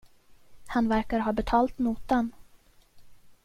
Han verkar ha betalt notan.